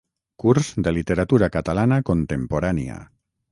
Curs de literatura catalana contemporània.